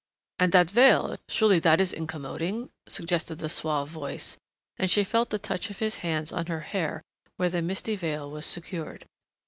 "And that veil surely that is incommoding?" suggested the suave voice, and she felt the touch of his hands on her hair where the misty veil was secured.